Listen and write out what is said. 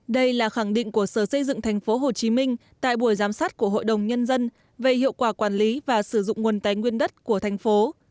đây là khẳng định của sở xây dựng tp hcm tại buổi giám sát của hội đồng nhân dân về hiệu quả quản lý và sử dụng nguồn tái nguyên đất của thành phố